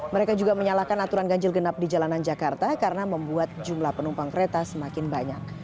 mereka juga menyalahkan aturan ganjil genap di jalanan jakarta karena membuat jumlah penumpang kereta semakin banyak